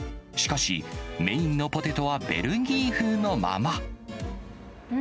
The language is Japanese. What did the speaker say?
しかし、メインのポテトはベルギー風のまま。